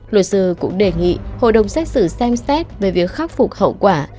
luật sư cũng đề nghị hội đồng xét xử xem xét về việc khắc phục hậu quả